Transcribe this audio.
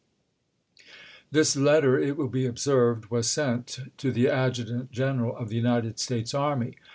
This letter, it will be observed, was sent to the Adjutant G eneral of the United States Army.